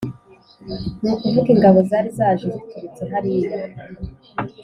ni ukuvuga ingabo zari zaje ziturutse hariya